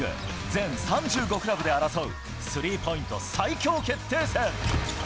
全３５クラブで争うスリーポイント、最強決定戦。